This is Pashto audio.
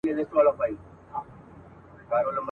د دې بې دردو په ټاټوبي کي بازار نه لري.